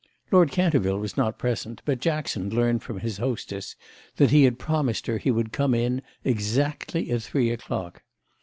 Lord Canterville was not present, but Jackson learned from his hostess that he had promised her he would come in exactly at three o'clock.